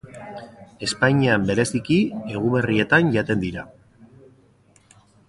Espainian bereziki Eguberrietan jaten dira.